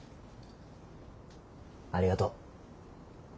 ありがとう。